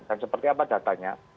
dan seperti apa datanya